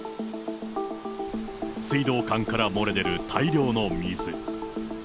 水道管から漏れ出る大量の水。